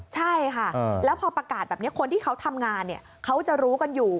ใช่ค่ะแล้วพอประกาศแบบนี้คนที่เขาทำงานเขาจะรู้กันอยู่